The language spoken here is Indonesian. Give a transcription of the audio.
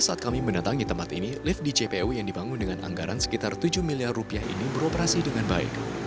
saat kami mendatangi tempat ini lift di jpo yang dibangun dengan anggaran sekitar tujuh miliar rupiah ini beroperasi dengan baik